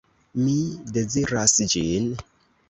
Mi deziras ĝin.